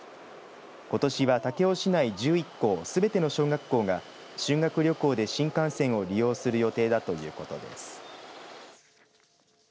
ことしは武雄市内１１校すべての小学校が修学旅行で新幹線を利用する予定だということです。